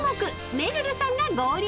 めるるさんが合流］